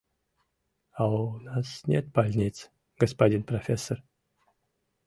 У нас нет больниц, господин профессор.